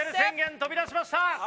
飛び出しました！